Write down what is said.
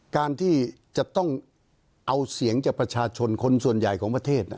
การที่จะต้องเอาเสียงจากประชาชนคนส่วนใหญ่ของประเทศ